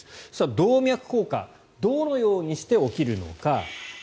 動脈硬化はどのようにして起きるのか。